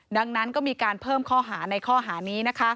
ดังนั้นก็มีการเพิ่มข้อหาในข้อหานี้